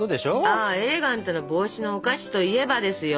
ああエレガントな帽子のお菓子といえばですよ。